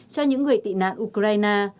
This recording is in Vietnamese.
cho những người tị nạn ukraine